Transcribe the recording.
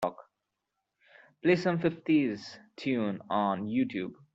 play some fifties tune on Youtube